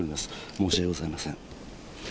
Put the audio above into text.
申し訳ございません。